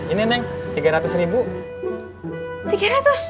ini neng tiga ratus ribu